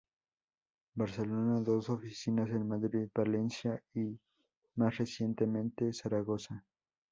Barcelona, dos oficinas en Madrid, Valencia y, más recientemente, Zaragoza.